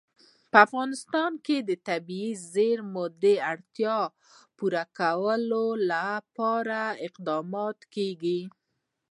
په افغانستان کې د طبیعي زیرمو د اړتیاوو پوره کولو لپاره پوره اقدامات کېږي.